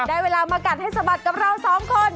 ได้เวลามากัดให้สะบัดกับเราสองคน